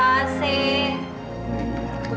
bukit pasir nih